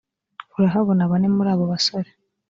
urahabona bane muri abo basore